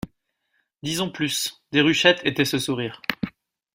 Disons plus, Déruchette était ce sourire.